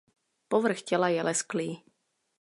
Povrch těla je lesklý.